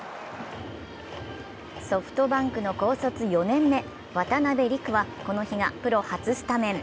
ソフトバンクの高卒４年目、渡邉陸はこの日がプロ初スタメン。